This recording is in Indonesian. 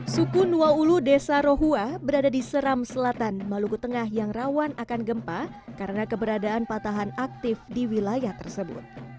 suku nuwaulu desa rohua berada di seram selatan maluku tengah yang rawan akan gempa karena keberadaan patahan aktif di wilayah tersebut